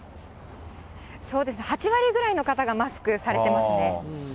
そうですね、８割ぐらいの方がマスクされてますね。